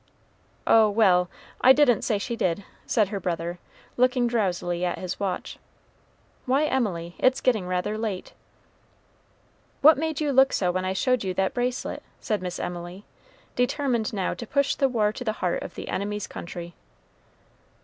"Oh, well! I didn't say she did," said her brother, looking drowsily at his watch; "why, Emily, it's getting rather late." "What made you look so when I showed you that bracelet?" said Miss Emily, determined now to push the war to the heart of the enemy's country.